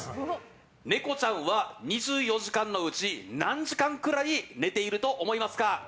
ネコちゃんは２４時間のうち何時間くらい寝ていると思いますか？